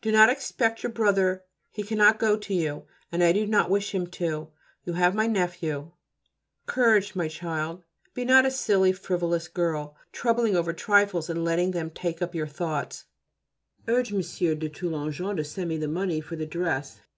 Do not expect your brother: he cannot go to you, and I do not wish him to. You have my nephew. Courage, my child, be not a silly, frivolous girl, troubling over trifles, and letting them take up your thoughts. Urge M. de Toulonjon to send me the money for the dress.